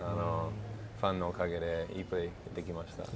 ファンのおかげでいいプレーできました。